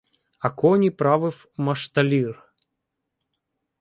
А коні правив машталір.